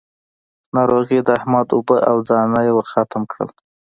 ناروغي د احمد اوبه او دانه يې ورختم کړل.